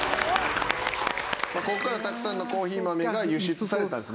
ここからたくさんのコーヒー豆が輸出されたんです。